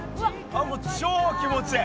もう超気持ちいい！